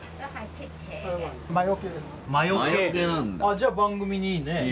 じゃあ番組にいいね。